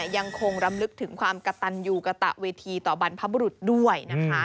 ยังคงรำลึกถึงความกระตันยูกระตะเวทีต่อบรรพบุรุษด้วยนะคะ